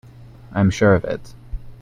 I am sure of it.